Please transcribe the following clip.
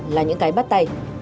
là những cái bắt tay